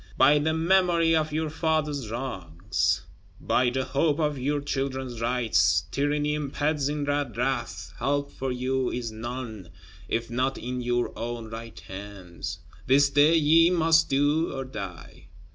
By the memory of your fathers' wrongs; by the hope of your children's rights! Tyranny impends in red wrath: help for you is none, if not in your own right hands. This day ye must do or die.